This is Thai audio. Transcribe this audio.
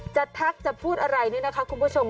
ทักจะพูดอะไรเนี่ยนะคะคุณผู้ชม